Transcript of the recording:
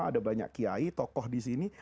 ada banyak kiai tokoh disini